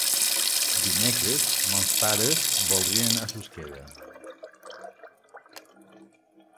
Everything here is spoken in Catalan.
Dimecres mons pares voldrien anar a Susqueda.